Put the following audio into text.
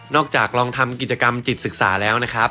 จากลองทำกิจกรรมจิตศึกษาแล้วนะครับ